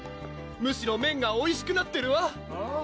むしろ麺がおいしくなってるわ！